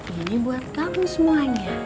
ini buat kamu semuanya